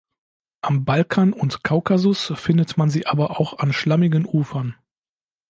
Am Balkan und Kaukasus findet man sie aber auch an schlammigen Ufern.